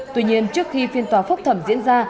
tuy nhiên trước khi phiên tòa phúc thẩm diễn ra